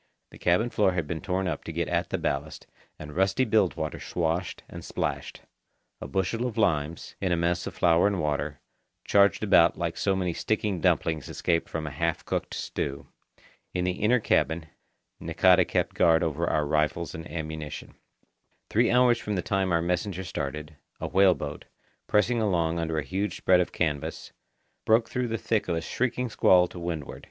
The cabin floor had been torn up to get at the ballast, and rusty bilge water swashed and splashed. A bushel of limes, in a mess of flour and water, charged about like so many sticky dumplings escaped from a half cooked stew. In the inner cabin, Nakata kept guard over our rifles and ammunition. Three hours from the time our messenger started, a whale boat, pressing along under a huge spread of canvas, broke through the thick of a shrieking squall to windward.